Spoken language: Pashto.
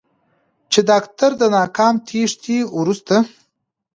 چې داکتر د ناکام تېښتې وروسته